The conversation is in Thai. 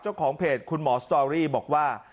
เจ้าของเพจคุณหมอสตอรี่บอกว่า